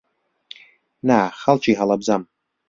نا، خەڵکی هەڵەبجەم.